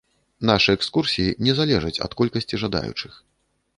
Нашы экскурсіі не залежаць ад колькасці жадаючых.